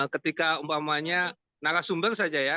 ketika umpamanya narasumber saja ya